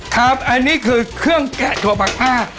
ครับอันนี้คือเครื่องแกะถั่วผักอ้า